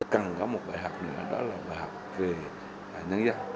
cần có một bài học nữa đó là bài học về nhân dân